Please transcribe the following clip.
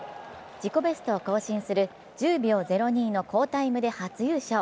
自己ベストを更新する１０秒０２の好タイムで初優勝。